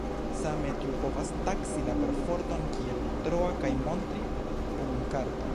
Same tiu povas taksi la perforton kiel troa kaj montri punkarton.